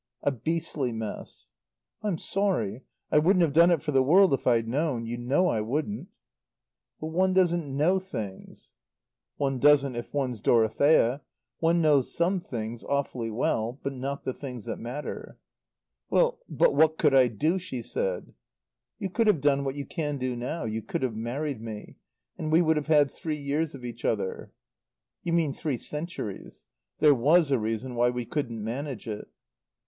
"A beastly mess." "I'm sorry. I wouldn't have done it for the world if I'd known. You know I wouldn't. "But one doesn't know things." "One doesn't if one's Dorothea. One knows some things awfully well; but not the things that matter." "Well but what could I do?" she said. "You could have done what you can do now. You could have married me. And we would have had three years of each other." "You mean three centuries. There was a reason why we couldn't manage it."